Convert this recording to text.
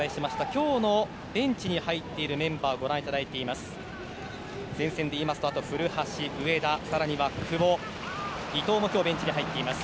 今日のベンチに入っているメンバーをご覧いただいています。